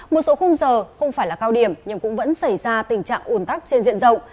một số khung giờ không phải là cao điểm nhưng cũng vẫn xảy ra tình trạng ủn tắc trên diện rộng